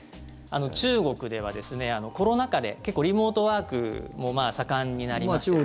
中国では、コロナ禍で結構、リモートワークも盛んになりまして。